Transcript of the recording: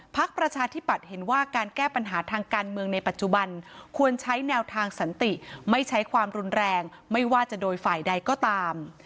ประชาธิปัตย์เห็นว่าการแก้ปัญหาทางการเมืองในปัจจุบันควรใช้แนวทางสันติไม่ใช้ความรุนแรงไม่ว่าจะโดยฝ่ายใดก็ตาม